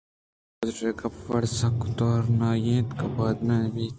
اے ماسٹر ءِ گپ ءُوڑ سک تورناک اَنت ءُاوپار نہ بنت